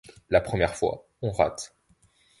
La première fois, on rate.